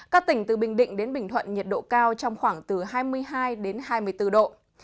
các tỉnh từ bình định đến bình thuận nhiệt độ cao trong khoảng từ hai mươi hai đến hai mươi bốn độ